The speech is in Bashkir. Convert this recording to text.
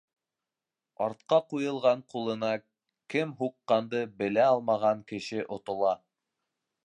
Артҡа ҡуйылған ҡулына кем һуҡҡанды белә алмаған кеше отола.